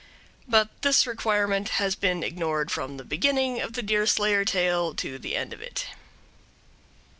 But this requirement has been ignored from the beginning of the Deerslayer tale to the end of it.